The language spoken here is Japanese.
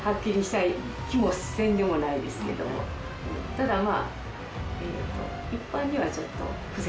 ただまあ。